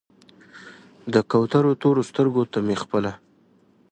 د کوترو تورو سترګو ته مې خپله